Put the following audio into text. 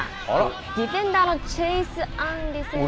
ディフェンダーのチェイスアンリ選手。